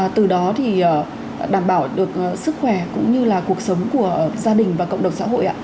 từ đó thì đảm bảo được sức khỏe cũng như là cuộc sống của gia đình và cộng đồng xã hội ạ